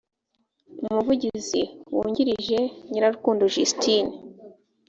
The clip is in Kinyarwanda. umuvugizi wungirije nyirarukundo justine